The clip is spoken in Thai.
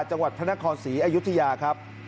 จังหวัดพระนครศรีอยุธยาครับ